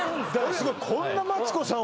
こんなマツコさん